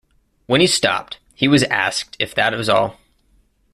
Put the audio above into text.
When he stopped, he was asked if that was all.